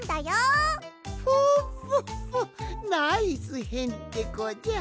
フォッフォッフォナイスへんてこじゃ！